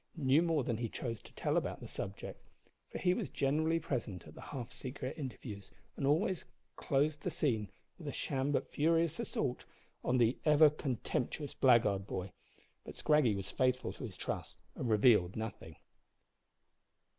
knew more than he chose to tell about the subject, for he was generally present at the half secret interviews, and always closed the scene with a sham but furious assault on the ever contemptuous blackguard boy. But Scraggy was faithful to his trust, and revealed nothing.